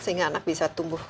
sehingga anak bisa tumbuh